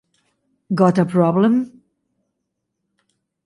Got a problem?".